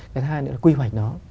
cái hai nữa là quy hoạch nó